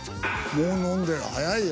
もう飲んでる早いよ。